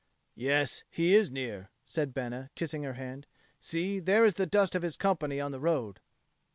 "Yes, he is near," said Bena, kissing her hand. "See, there is the dust of his company on the road."